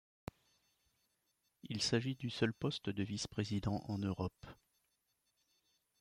Il s'agit du seul poste de vice-président en Europe.